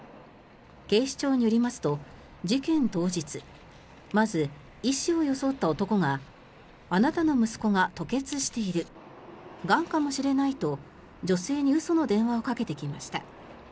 警視庁によりますと、事件当日まず、医師を装った男があなたの息子が吐血しているがんかもしれないと、女性に嘘の電話をかけてきました。